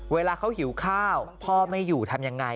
เวลาเขาหิวข้าวพ่อไม่อยู่ทำยังไง